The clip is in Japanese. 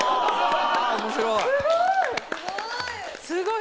すごい！